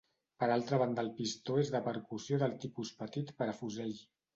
Per altra banda el pistó és de percussió del tipus petit per a fusell.